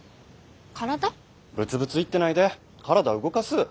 ブツブツ言ってないで体動かす。